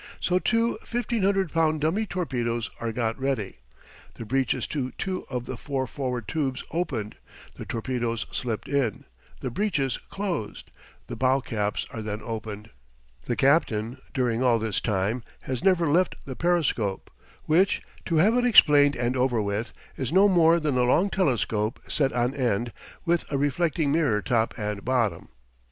So two 1,500 pound dummy torpedoes are got ready, the breeches to two of the four forward tubes opened, the torpedoes slipped in, the breeches closed. The bow caps are then opened. The captain, during all this time, has never left the periscope, which to have it explained and over with is no more than a long telescope set on end, with a reflecting mirror top and bottom.